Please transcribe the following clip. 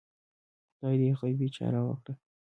خدای دې غیبي چاره وکړه